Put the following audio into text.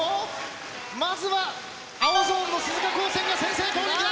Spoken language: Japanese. まずは青ゾーンの鈴鹿高専が先制攻撃だ！